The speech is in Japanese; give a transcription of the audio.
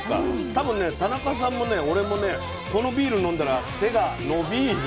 多分ね田中さんもね俺もねこのビール飲んだら背が伸「びーる」。